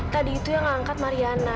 tadi itu yang ngangkat mariana